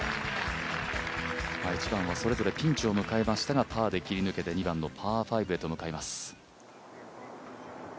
１番はそれぞれピンチを迎えましたがパーで切り抜けて２番のパー５へと向かいます。